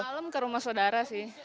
malam ke rumah saudara sih